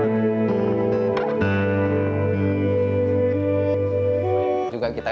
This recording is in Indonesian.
kepala kepala kepala